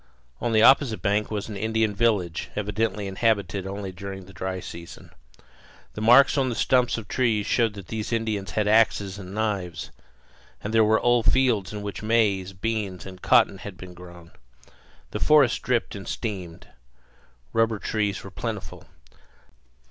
On the opposite bank was an Indian village, evidently inhabited only during the dry season. The marks on the stumps of trees showed that these Indians had axes and knives; and there were old fields in which maize, beans, and cotton had been grown. The forest dripped and steamed. Rubber trees were plentiful.